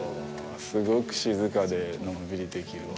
すごく静かで、のんびりできるわ。